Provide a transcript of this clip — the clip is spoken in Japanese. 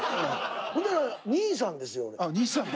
ほんだら兄さんですよ。